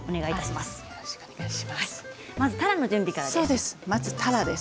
まず、たらの準備からです。